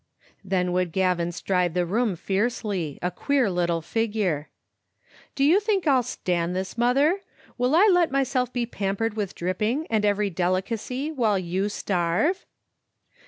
Then would Gavin stride the room fiercely, a queer little figure. "Do you think I'll stand this, mother? Will I let myself be pampered with dripping and every delicacy while you starve?"